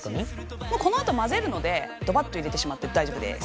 このあと混ぜるのでドバっと入れてしまって大丈夫です。